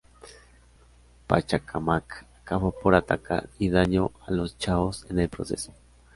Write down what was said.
Pachacamac acabó por atacar, y dañó a los chaos en el proceso.